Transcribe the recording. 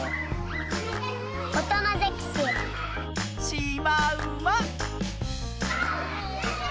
しまうま。